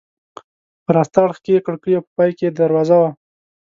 په راسته اړخ کې یې کړکۍ او په پای کې یې دروازه وه.